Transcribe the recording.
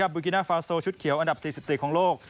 บุกิน่าฟาโซชุดเขียวอันดับ๔๔ของโลก